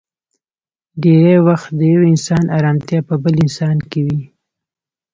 ډېری وخت د يو انسان ارمتيا په بل انسان کې وي.